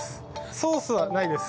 ソースはないです